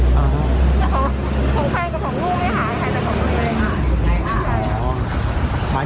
ของแพ่งกับของลูกไม่หายแต่ของลูกไม่หายอ๋อ